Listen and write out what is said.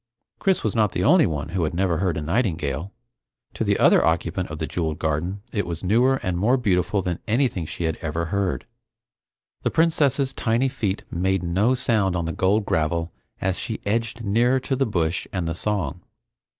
Chris was not the only one who had never heard a nightingale. To the other occupant of the jeweled garden, it was newer and more beautiful than anything she had ever heard. The Princess's tiny feet made no sound on the gold gravel as she edged nearer to the bush and the song.